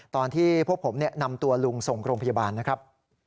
ตอนที่พวกผมนำตัวลุงส่งโรงพยาบาลนะครับ